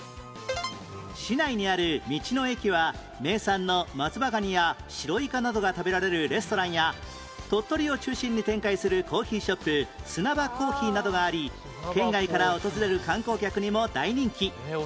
市内にある道の駅は名産の松葉ガニやシロイカなどが食べられるレストランや鳥取を中心に展開するコーヒーショップすなば珈琲などがあり県外から訪れる観光客にも大人気